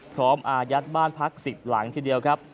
พร้อมอาญัตข์บ้านผัก๑๐หลังที่เดียวครับ